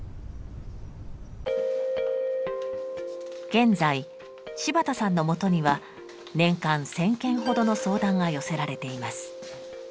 現在柴田さんのもとには年間１，０００件ほどの相談が寄せられています。